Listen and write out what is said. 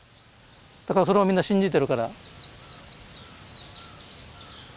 だからそれをみんな信じてるから。